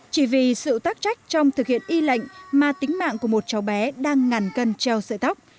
chỉ vì sự tác trách trong thực hiện y lệnh mà tính mạng của một cháu bé đang ngàn cân treo sợi tóc